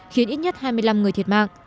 khiến ít nhất hai mươi năm người thiệt mạng